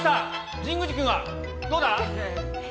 神宮寺君は、どうだ？